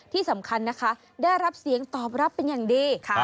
ที่สำคัญนะคะได้รับเสียงตอบรับเป็นอย่างดี